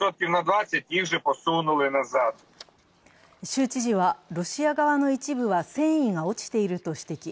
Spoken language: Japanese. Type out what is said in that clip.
州知事はロシア側の一部は戦意が落ちていると指摘。